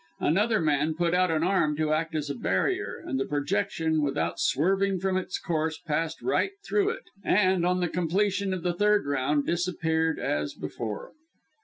Another man put out an arm to act as a barrier, and the projection, without swerving from its course, passed right through it; and, on the completion of the third round, disappeared as before.